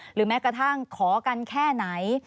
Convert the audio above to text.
แม้กระทั่งขอกันแค่ไหน